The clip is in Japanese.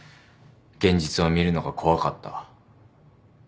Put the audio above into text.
現実を見るのが怖かった。